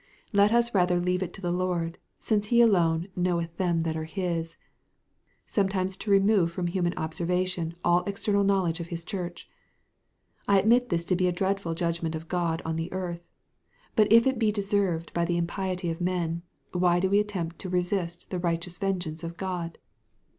Let us rather leave it to the Lord, since he alone "knoweth them that are his," sometimes to remove from human observation all external knowledge of his Church. I admit this to be a dreadful judgment of God on the earth; but if it be deserved by the impiety of men, why do we attempt to resist the righteous vengeance of God?